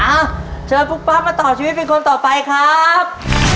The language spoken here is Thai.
อ่ะเชิญคุณป๊อปมาต่อชีวิตเป็นคนต่อไปครับ